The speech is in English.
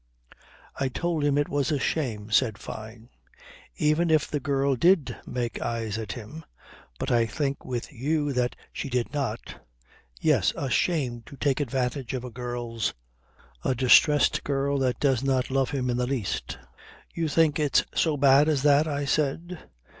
"I told him it was a shame," said Fyne. "Even if the girl did make eyes at him but I think with you that she did not. Yes! A shame to take advantage of a girl's a distresses girl that does not love him in the least." "You think it's so bad as that?" I said.